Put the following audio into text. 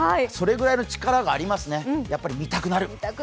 それぐらいの力がありますね、やっぱり見たくなる。